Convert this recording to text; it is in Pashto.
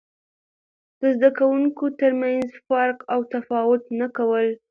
د زده کوونکو ترمنځ فرق او تفاوت نه کول.